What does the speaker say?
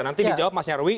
nanti dijawab mas nyarwi